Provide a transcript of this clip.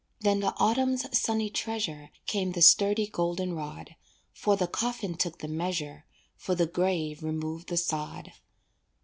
Then the autumn's sunny treasure Came the sturdy golden rod, For the coffin took the measure, For the grave removed the sod.